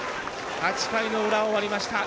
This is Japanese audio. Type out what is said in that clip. ８回の裏、終わりました。